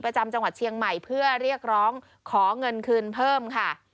จังหวัดเชียงใหม่เพื่อเรียกร้องขอเงินคืนเพิ่มค่ะ